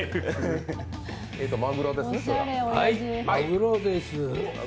マグロです。